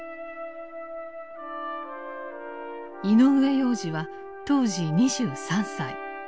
井上洋治は当時２３歳。